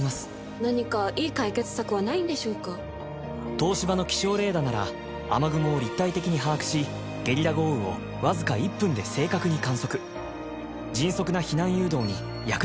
東芝の気象レーダなら雨雲を立体的に把握しゲリラ豪雨をわずか１分で正確に観測迅速な避難誘導に役立てていきます